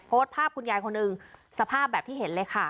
โพสต์ภาพคุณยายคนหนึ่งสภาพแบบที่เห็นเลยค่ะ